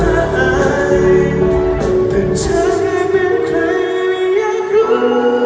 เพราะเธอให้เป็นใครอย่างรู้